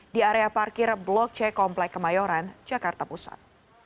di area parkir blok c komplek kemayoran jakarta pusat